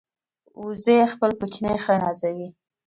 وزې خپل کوچني ښه نازوي